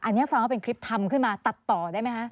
อันนี้ฟังว่าเป็นคลิปทำขึ้นมาตัดต่อได้ไหมคะ